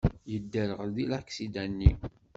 Yedderɣel deg laksida-nni.